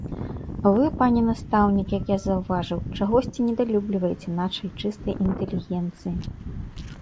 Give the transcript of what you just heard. Вы, пане настаўнік, як я заўважыў, чагосьці недалюбліваеце нашай чыстай інтэлігенцыі.